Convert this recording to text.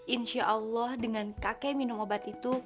insya allah dengan kakek minum obat itu